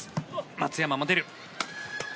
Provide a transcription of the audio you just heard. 松山も出る。